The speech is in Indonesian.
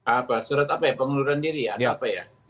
apa surat apa ya pengunduran diri ya ada apa ya